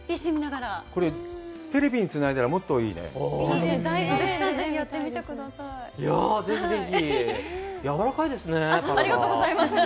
これ、テレビにつないだら、もっといいね？